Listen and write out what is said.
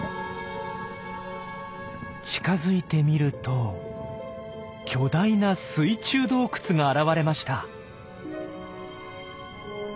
近づいてみると巨大な水中洞窟が現れました。